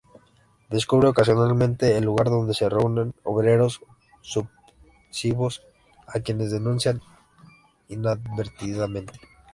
Descubre ocasionalmente el lugar donde se reúnen obreros subversivos a quienes denuncia inadvertidamente.